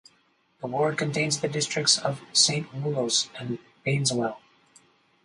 The ward contains the districts of Saint Woolos and Baneswell.